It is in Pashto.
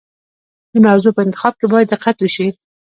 د موضوع په انتخاب کې باید دقت وشي.